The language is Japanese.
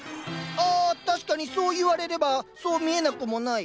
あ確かにそう言われればそう見えなくもない。